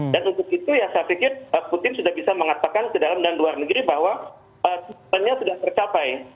untuk itu ya saya pikir putin sudah bisa mengatakan ke dalam dan luar negeri bahwa sebenarnya sudah tercapai